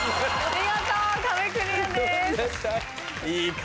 見事壁クリアです。